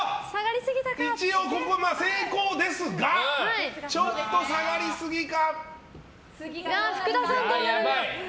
一応、成功ですがちょっと下がりすぎか。